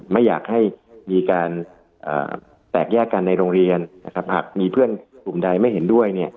ไม่อยากให้มีการแตกแยกกันในโรงเรียนนะครับหากมีเพื่อนกลุ่มใดไม่เห็นด้วย